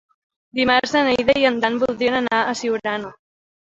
Dimarts na Neida i en Dan voldrien anar a Siurana.